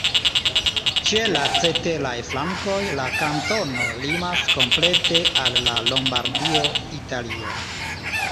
Ĉe la ceteraj flankoj la kantono limas komplete al Lombardio, Italio.